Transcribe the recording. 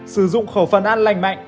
sử dụng khẩu phần ăn lành mạnh